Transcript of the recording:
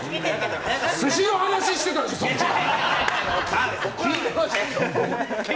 寿司の話してたんでしょそっちが。